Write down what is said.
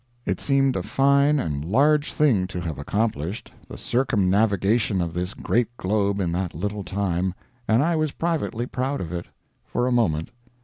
It seemed a fine and large thing to have accomplished the circumnavigation of this great globe in that little time, and I was privately proud of it. For a moment.